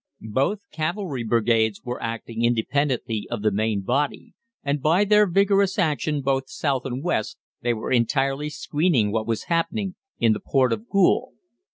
Both cavalry brigades were acting independently of the main body, and by their vigorous action both south and west they were entirely screening what was happening in the port of Goole.